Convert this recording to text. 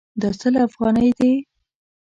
دا سل افغانۍ دي